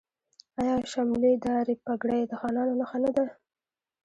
آیا شملې دارې پګړۍ د خانانو نښه نه ده؟